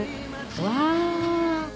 うわ。